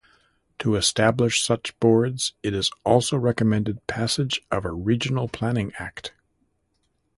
To establish such boards, it also recommended passage of a Regional Planning Act.